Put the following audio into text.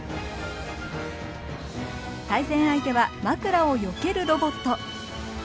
対戦相手は枕をよけるロボット。